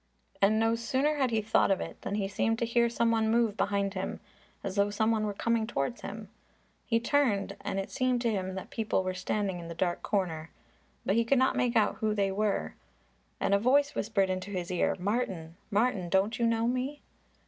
And no sooner had he thought of it than he seemed to hear some one move behind him, as though some one were coming towards him. He turned, and it seemed to him that people were standing in the dark corner, but he could not make out who they were. And a voice whispered into his ear, "Martin, Martin, don't you know me?"